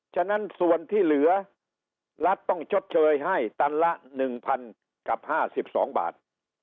ฉะนั้นส่วนที่เหลือรัฐต้องชดเชยให้ตันละ๑๐๐๐กับ๕๒บาท